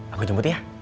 aku jemput ya